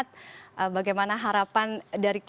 mencapai pemerintah daripada kita burdensa akar